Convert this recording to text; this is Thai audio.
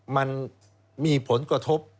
มันมีผลกระทบ